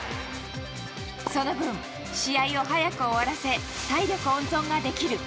その分、試合を早く終わらせ体力温存ができる。